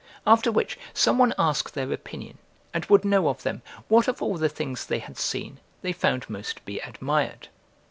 After which, some one asked their opinion, and would know of them, what of all the things they had seen, they found most to be admired?